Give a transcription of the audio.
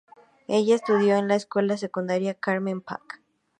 Ella estudió en la escuela secundaria Carmel Pak.